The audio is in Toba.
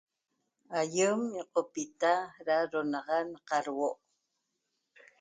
Aýem ñiqopita da do'onaxan na qadhuo'